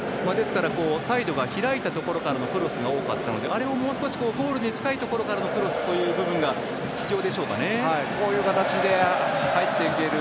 サイドが開いたところからのクロスが多かったのであれをもう少しゴールに近いところからのクロスというところがこういう形で入っていける。